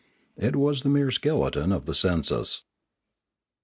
It was the mere skeleton of the census.